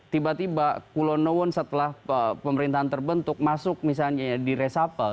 tiba tiba kulonowun setelah pemerintahan terbentuk masuk misalnya ya di resapel